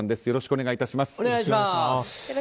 よろしくお願いします。